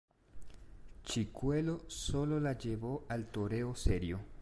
Chicuelo sólo la llevó al toreo serio.